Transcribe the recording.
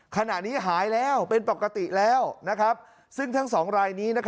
ขณะนี้หายแล้วเป็นปกติแล้วซึ่งทั้ง๒รายนี้